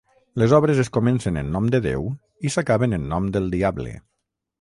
Les obres es comencen en nom de Déu i s'acaben en nom del diable.